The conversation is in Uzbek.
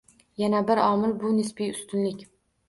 Yana bir omil - bu nisbiy ustunlik